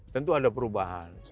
tentu ada perubahan